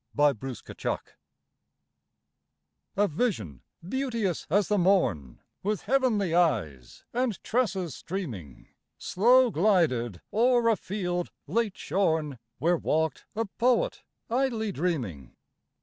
THE UNATTAINED A vision beauteous as the morn, With heavenly eyes and tresses streaming, Slow glided o'er a field late shorn Where walked a poet idly dreaming.